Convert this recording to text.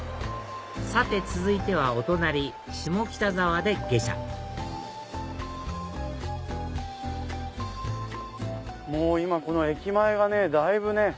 さて続いてはお隣下北沢で下車今この駅前がだいぶね。